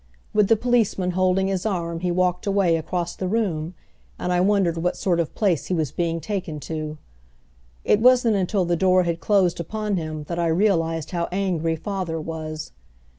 With the policeman holding his arm he walked away across the room, and I wondered what sort of place he was being taken to. It wasn't until the door had closed upon him that I realized how angry father was.